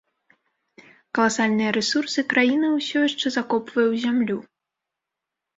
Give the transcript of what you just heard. Каласальныя рэсурсы краіна ўсё яшчэ закопвае ў зямлю.